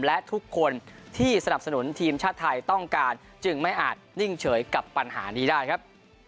และทุกคนที่สนับสนุนทีมชาติไทยต้องการจึงไม่อาจนิ่งเฉยกับปัญหานี้ได้ครับ